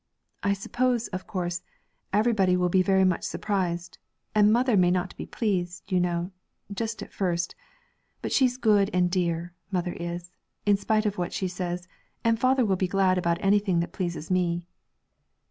'I suppose, of course, everybody will be very much surprised, and mother may not be pleased, you know, just at first; but she's good and dear, mother is, in spite of what she says; and father will be glad about anything that pleases me.'